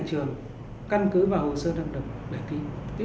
trường căn cứ và hồ sơ thẩm định